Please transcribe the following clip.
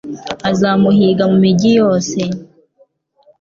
Azamuhiga mu migi yose